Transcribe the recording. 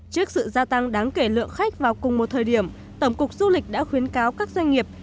trước sự gia tăng đáng kể lượng khách vào cùng một thời điểm tổng cục du lịch đã khuyến cáo các doanh nghiệp